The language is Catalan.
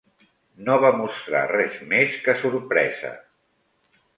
No va mostrar res més que sorpresa.